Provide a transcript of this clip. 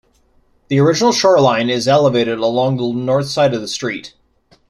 The original shoreline is elevated along the north side of the street.